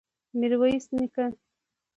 ميرويس نيکه!